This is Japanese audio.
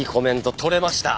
録れました！